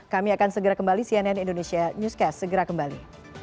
kami akan segera kembali cnn indonesia newscast segera kembali